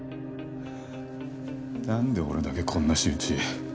なんで俺だけこんな仕打ち。